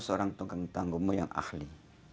seorang tukang tanggumu yang ahli